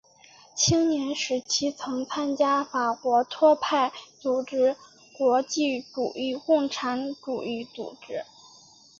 青年时期曾经参加法国托派组织国际主义共产主义组织。